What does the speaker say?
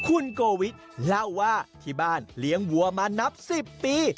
คุณโกวิทเล่าว่าที่บ้านเลี้ยงวัวมานับ๑๐ปี